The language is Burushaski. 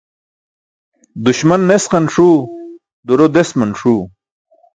Duśman nesqan ṣuu duro desman ṣuu